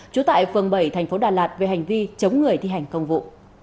trú tại phường bảy tp đà lạt về hành vi chống người thi hành công vụ